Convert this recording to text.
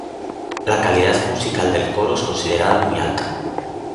La calidad musical del coro es considerada muy alta.